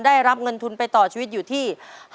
ได้รับเงินทุนไปต่อชีวิตอยู่ที่